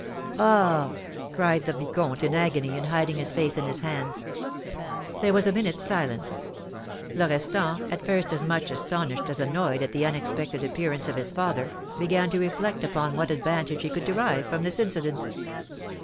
"Ah!" cried the vicomte, in agony, and hiding his face in his hands. There was a minute's silence. Florestan, at first as much astonished as annoyed at the unexpected appearance of his father, began to reflect upon what advantage he could derive from this incident.